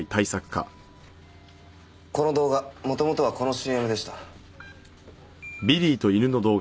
この動画もともとはこのＣＭでした。